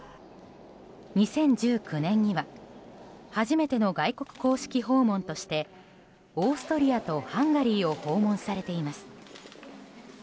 ２０１９年には初めての外国公式訪問としてオーストリアとハンガリーを訪問されています。